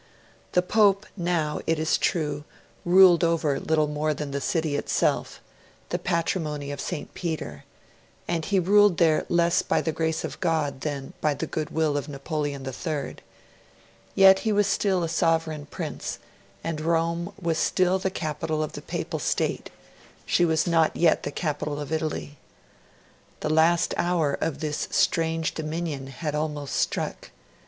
The Pope now, it is true, ruled over little more than the City itself the Patrimony of St. Peter and he ruled there less by the Grace of God than by the goodwill of Napoleon III; yet he was still a sovereign Prince, and Rome was still the capital of the Papal State; she was not yet the capital of Italy. The last hour of this strange dominion had almost struck.